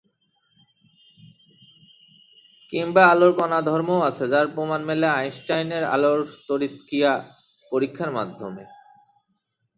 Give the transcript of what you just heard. কিংবা আলোর কণা ধর্মও আছে, যার প্রমাণ মেলে আইনস্টাইনের আলোক তড়িৎক্রিয়া পরীক্ষার মাধ্যমে।